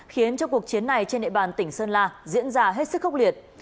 khiến cho cuộc chiến này trên địa bàn tỉnh sơn la diễn ra hết sức khốc liệt